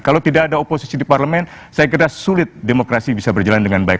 kalau tidak ada oposisi di parlemen saya kira sulit demokrasi bisa berjalan dengan baik